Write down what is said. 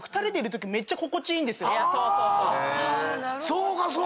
そうかそうか。